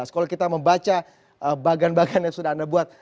kalau kita membaca bagian bagian yang sudah anda buat